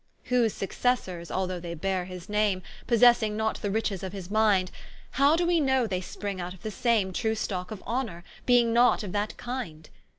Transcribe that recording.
Whose successors, although they beare his name, Possessing not the riches of his minde, How doe we know they spring out of the same True stocke of honour, beeing not of that kind?